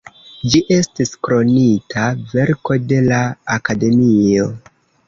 Ĝi estis Kronita Verko de la Akademio.